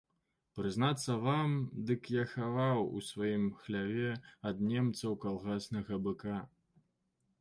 Прызнацца вам, дык я хаваў у сваім хляве ад немцаў калгаснага быка.